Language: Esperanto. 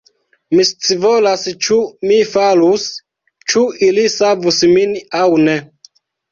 Mi scivolas ĉu mi falus, ĉu ili savus min aŭ ne